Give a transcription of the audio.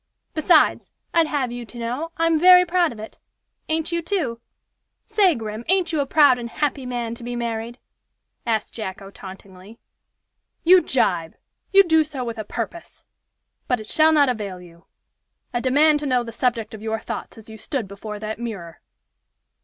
Besides, I'd have you to know, I'm very proud of it. Ain't you, too? Say, Grim! ain't you a proud and happy man to be married?" asked Jacko, tauntingly. "You jibe! You do so with a purpose. But it shall not avail you. I demand to know the subject of your thoughts as you stood before that mirror."